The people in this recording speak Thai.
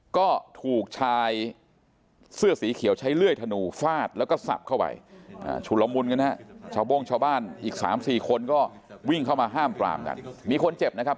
ก็ถูกชายเสื้อสีเขียวใช้เลื่อยฐานูฟาดแล้วก็ทรัพย์เข้าไปชุดลมวลกันเชาบ้านอีก๓๔คนก็วิ่งเข้ามาห้ามกราบมีคนเจ็บนะครับ